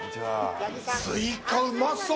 スイカ、うまそう。